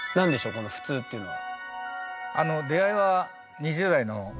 この「普通」っていうのは。